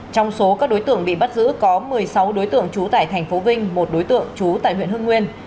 trong số các đối tượng bị bắt giữ có một mươi sáu đối tượng trú tại tp vinh một đối tượng trú tại huyện hương nguyên